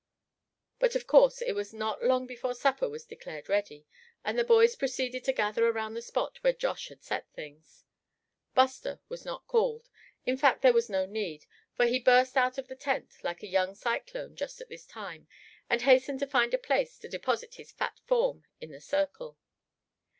But of course it was not long before supper was declared ready, and the boys proceeded to gather around the spot where Josh had set things. Buster was not called, in fact there was no need, for he burst out of the tent like a young cyclone just at this time, and hastened to find a place to deposit his fat form in the circle.